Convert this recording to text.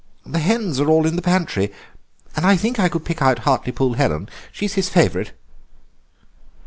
The hens are all in the pantry, and I think I could pick out Hartlepool Helen; she's his favourite."